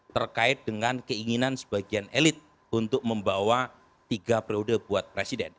terkait dengan keinginan sebagian elit untuk membawa tiga periode buat presiden